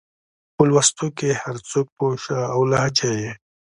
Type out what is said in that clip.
خو په لوستو کې هر څوک پوه شه او لهجه يې